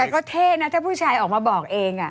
แต่ก็เท่นะถ้าผู้ชายออกมาบอกเอง